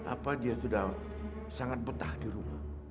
apa dia sudah sangat betah di rumah